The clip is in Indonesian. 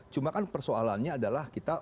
cuma kan persoalannya adalah kita